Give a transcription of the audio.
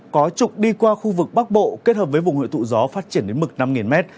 có trục đi qua khu vực bắc bộ kết hợp với vùng hội tụ gió phát triển đến mực năm m